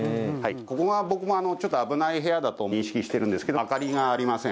ここが僕も危ない部屋だと認識してるんですけど明かりがありません